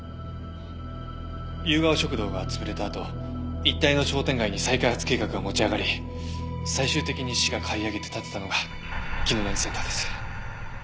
ゆうがお食堂が潰れたあと一帯の商店街に再開発計画が持ち上がり最終的に市が買い上げて建てたのが紀野谷センターです。